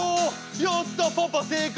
やったパパ正解！